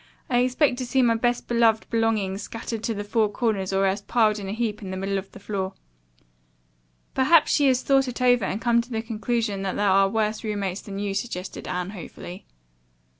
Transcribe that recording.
I expect to see my best beloved belongings scattered to the four corners or else piled in a heap in the middle of the floor." "Perhaps she has thought it over and come to the conclusion that there are worse roommates than you," suggested Anne hopefully.